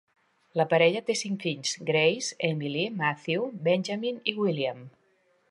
La parella té cinc fills: Grace, Emily, Matthew, Benjamin i William.